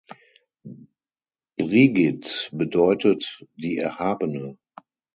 Brigid bedeutet „die Erhabene“.